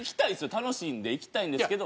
楽しいんで行きたいんですけど。